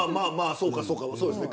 そうかそうかそうですね。